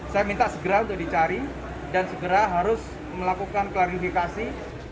saya minta segera untuk dicari dan segera harus melakukan klarifikasi